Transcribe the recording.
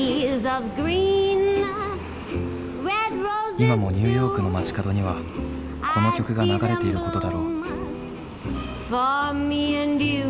今もニューヨークの街角にはこの曲が流れていることだろう。